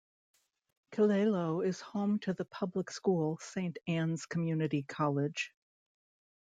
Killaloe is home to the public school Saint Anne's Community College.